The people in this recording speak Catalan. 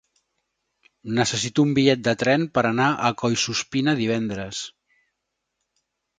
Necessito un bitllet de tren per anar a Collsuspina divendres.